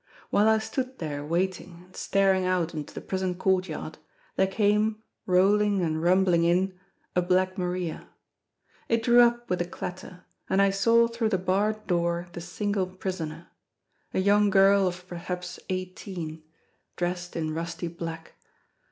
While I stood there waiting and staring out into the prison court yard, there came, rolling and rumbling in, a Black Maria. It drew up with a clatter, and I saw through the barred door the single prisoner—a young girl of perhaps eighteen—dressed in rusty black.